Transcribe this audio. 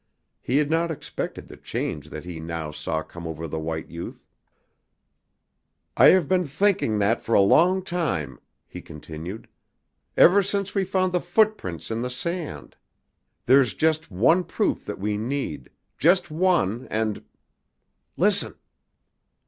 He had not expected the change that he now saw come over the white youth. "I have been thinking that for a long time," he continued. "Ever since we found the footprints in the sand. There's just one proof that we need, just one, and " "Listen!"